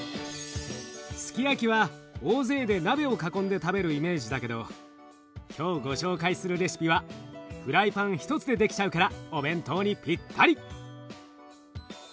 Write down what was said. スキヤキは大勢で鍋を囲んで食べるイメージだけど今日ご紹介するレシピはフライパン１つでできちゃうからお弁当にぴったり！